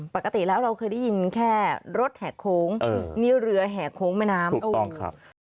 ปกติแล้วเราเคยได้ยินแค่รถแห่โค้งนี่เรือแห่โค้งแม่น้ำด้วย